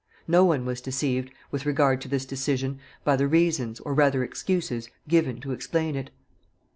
No one was deceived, with regard to this decision, by the reasons, or rather excuses, given to explain it.